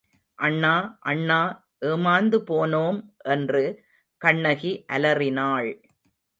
அண்ணா, அண்ணா, ஏமாந்து போனோம் என்று கண்ணகி அலறினாள்.